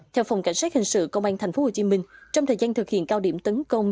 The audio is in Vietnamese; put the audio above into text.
theo phòng cảnh sát hình sự công an tp hcm trong thời gian thực hiện cao điểm tấn công